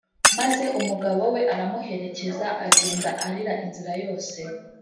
Maze umugabo we aramuherekeza agenda arira inzira yose